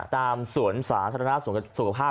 ตามสวนสาธารณสุขสุขภาพ